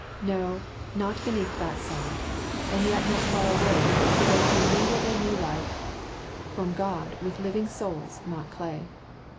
No, not beneath that sod, And yet not far away, For they can mingle their new life from God With living souls, not clay.